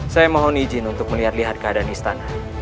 saya mohon izin untuk melihat lihat keadaan istana